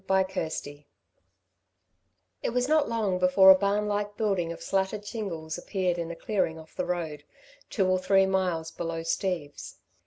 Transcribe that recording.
CHAPTER IX It was not long before a barn like building of slatted shingles appeared in a clearing off the road, two or three miles below Steve's.